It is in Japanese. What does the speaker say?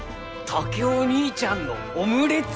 竹雄義兄ちゃんのオムレツ？